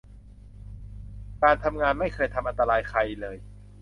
การทำงานหนักไม่เคยทำอันตรายใครเลย